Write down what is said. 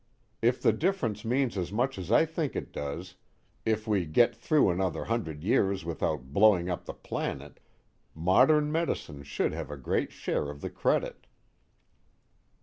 If the difference means as much as I think it does, if we get through another hundred years without blowing up the planet, modern medicine should have a great share of the credit."